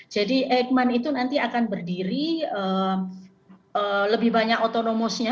jadi egman itu nanti akan berdiri lebih banyak otonomosnya